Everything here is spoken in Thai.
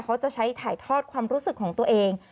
เขาจะใช้ถ่ายทอดความรู้สึกของตัวเอง